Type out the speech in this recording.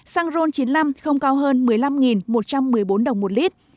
xăng ron chín mươi năm không cao hơn một mươi năm một trăm một mươi bốn đồng một lít